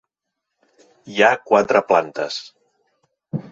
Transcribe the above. Hi ha quatre plantes.